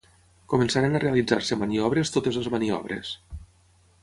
Començaren a realitzar-se maniobres totes les maniobres.